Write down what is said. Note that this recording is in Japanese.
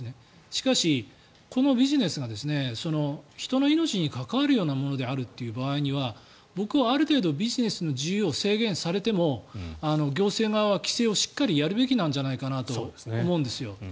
しかし、このビジネスが人の命に関わるようなものであるという場合には僕はある程度、ビジネスの自由を制限されても行政側は規制をしっかりやるべきなんじゃないかなと思うんです。